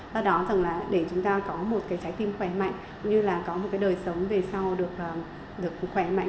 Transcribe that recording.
do đó chẳng là để chúng ta có một trái tim khỏe mạnh cũng như là có một đời sống về sau được khỏe mạnh